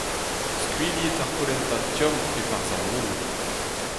Skuilhit ar polenta tomm e-barzh ar moull.